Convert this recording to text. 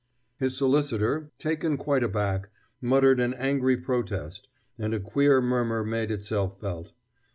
His solicitor, taken quite aback, muttered an angry protest, and a queer murmur made itself felt.